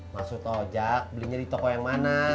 maksud ojek belinya di toko yang mana